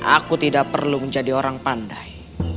aku tidak perlu menjadi orang pandai